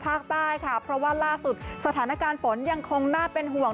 ภาคใต้ค่ะเพราะว่าล่าสุดสถานการณ์ฝนยังคงน่าเป็นห่วง